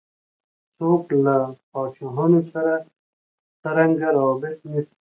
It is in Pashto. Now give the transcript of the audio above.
څوک له پاچاهانو سره څرنګه رابطه نیسي.